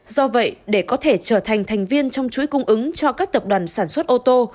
do vậy để có thể trở thành thành viên trong chuỗi cung ứng cho các tập đoàn sản xuất ô tô